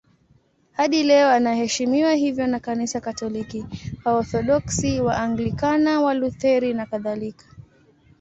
Hadi leo anaheshimiwa hivyo na Kanisa Katoliki, Waorthodoksi, Waanglikana, Walutheri nakadhalika.